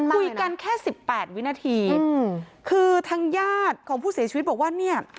คุยกันแค่สิบแปดวินาทีคือทางญาติของผู้เสียชีวิตบอกว่าเนี่ย